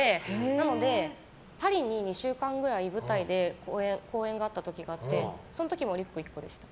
なので、パリに２週間くらい舞台で公演があった時があってその時もリュック１個でした。